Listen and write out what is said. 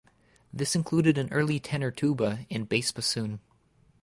This included an early tenor tuba and bass bassoon.